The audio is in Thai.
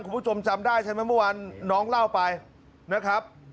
คุณผู้ชมจำได้ใช่ไหมเมื่อวานน้องเล่าไปนะครับ